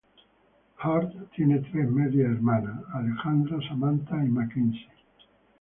Hart tiene tres medias hermanas: Alexandra, Samantha y Mackenzie.